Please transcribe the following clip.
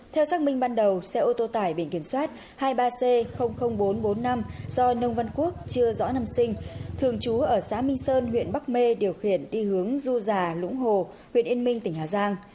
theo xác minh ban đầu xe ô tô tải biển kiểm soát hai mươi ba c bốn trăm bốn mươi năm do nông văn quốc chưa rõ năm sinh thường trú ở xã minh sơn huyện bắc mê điều khiển đi hướng du già lũng hồ huyện yên minh tỉnh hà giang